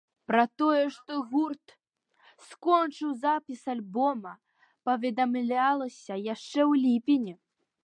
Пра тое, што гурт скончыў запіс альбома, паведамлялася яшчэ ў ліпені.